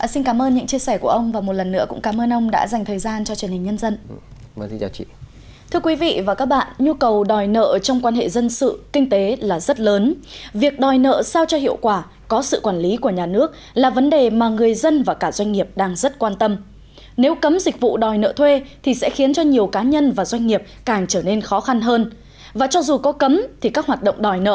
xin cảm ơn những chia sẻ của ông và một lần nữa cũng cảm ơn ông đã dành thời gian cho truyền hình nhân dân